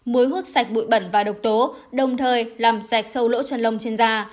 muối hút sạch bụi bẩn và độc tố đồng thời làm sạch sâu lỗ chân lông trên da